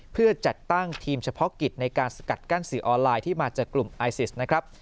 เพื่อจัดตั้งทีมเฉพาะกิจในการสกัดกั้นสื่อออนไลน์ที่มาจากกลุ่มไอซิสนะครับ